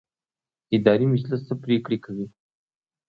اداري مجلس څه پریکړې کوي؟